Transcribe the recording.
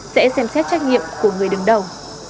sẽ xem xét trách nhiệm của người đứng đầu